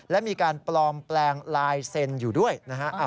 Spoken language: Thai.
และมีการปลอมแปลงลายเซ็นต์อยู่ด้วยนะฮะ